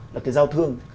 là cái giao thương